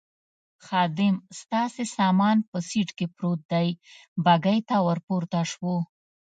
خادم: ستاسې سامان په سېټ کې پروت دی، بګۍ ته ور پورته شوو.